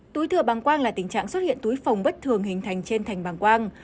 túi thừa bảng quang là tình trạng xuất hiện túi phồng bất thường hình thành trên thành bảng quang